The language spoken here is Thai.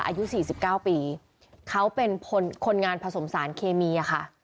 อายุ๔๙ปีเขาเป็นคนงานผสมสารเคมีอะค่ะ